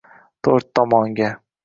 To’rt tomonga